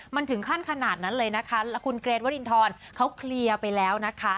มันถึงขั้นขนาดนั้นเลยนะคะแล้วคุณเกรทวรินทรเขาเคลียร์ไปแล้วนะคะ